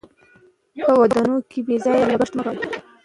په ودونو کې بې ځایه لګښت مه کوئ.